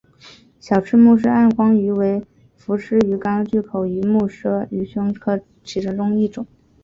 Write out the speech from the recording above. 小翅穆氏暗光鱼为辐鳍鱼纲巨口鱼目褶胸鱼科的其中一种。